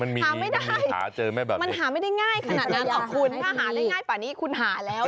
หาไม่ได้มันหาไม่ได้ง่ายขนาดนั้นหรอกคุณถ้าหาได้ง่ายป่านี้คุณหาแล้ว